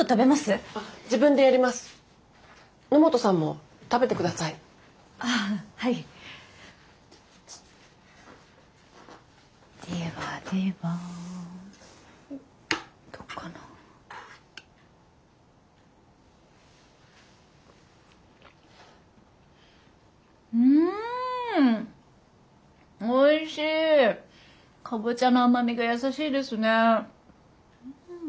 かぼちゃの甘みがやさしいですね。